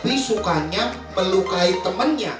tapi sukanya melukai temannya